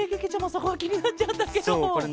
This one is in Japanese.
そこがきになっちゃったケロ。